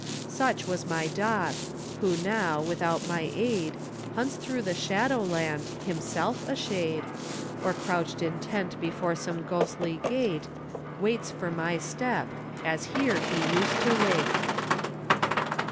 Such was my dog, who now, without my aid, Hunts through the shadowland, himself a shade, Or crouched intent before some ghostly gate, Waits for my step, as here he used to wait.